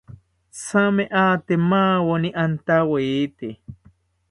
Thame ate maweni antawete